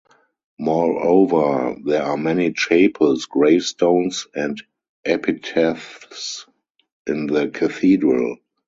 Moreover, there are many chapels, gravestones and epitaphs in the Cathedral.